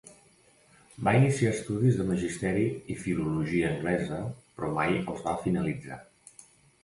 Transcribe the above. Va iniciar estudis de Magisteri i Filologia Anglesa, però mai els va finalitzar.